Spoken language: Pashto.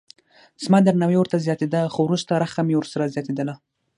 زما درناوی ورته زیاتېده خو وروسته رخه مې ورسره زیاتېدله.